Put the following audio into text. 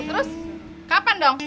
terus kapan dong